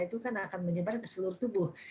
itu kan akan menyebar ke seluruh tubuh